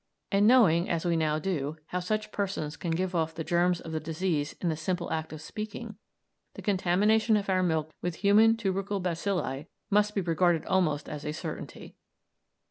And knowing, as we now do, how such persons can give off the germs of the disease in the simple act of speaking, the contamination of our milk with human tubercle bacilli must be regarded almost as a certainty.